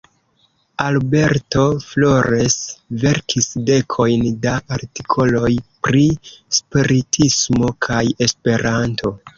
Alberto Flores verkis dekojn da artikoloj pri spiritismo kaj Esperanto.